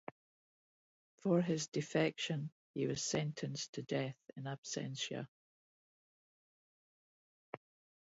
For his defection he was sentenced to death in absentia.